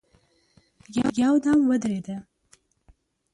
يودم ودرېده.